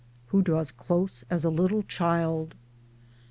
Who draws close as a little child